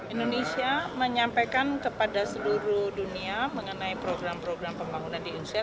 indonesia menyampaikan kepada seluruh dunia mengenai program program pembangunan di indonesia